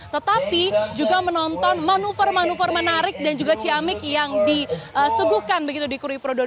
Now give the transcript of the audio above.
tetapi juga menonton manuver manuver menarik dan juga ciamik yang diseguhkan begitu di krui pro dua ribu dua puluh dua